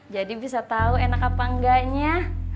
jadi bisa tahu enak apa enggaknya